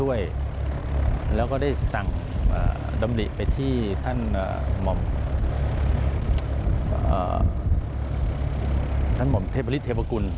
ด้วยแล้วก็ได้สั่งดำริไปที่ท่านหม่อมเทพฤทธเทพกุล